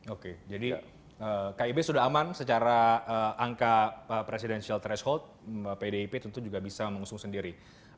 oke jadi kib sudah aman secara angka presidensial threshold pdip tentu juga bisa mengusung sendiri